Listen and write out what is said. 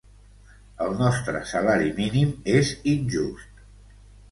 El nostre salari mínim és injust.